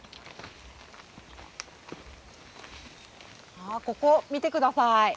あここ見て下さい。